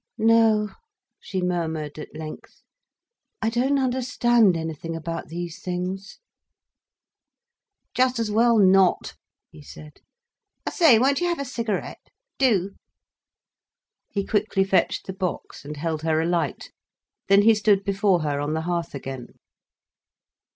"No," she murmured at length. "I don't understand anything about these things." "Just as well not," he said. "I say, won't you have a cigarette?—do!" He quickly fetched the box, and held her a light. Then he stood before her on the hearth again.